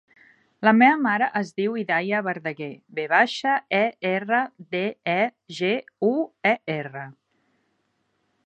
La meva mare es diu Hidaya Verdeguer: ve baixa, e, erra, de, e, ge, u, e, erra.